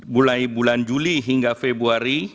mulai bulan juli hingga februari